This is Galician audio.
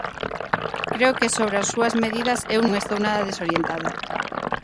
Creo que sobre as súas medidas eu non estou nada desorientada.